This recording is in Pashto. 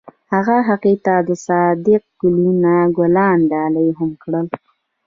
هغه هغې ته د صادق ګلونه ګلان ډالۍ هم کړل.